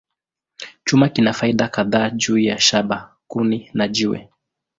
Chuma kina faida kadhaa juu ya shaba, kuni, na jiwe.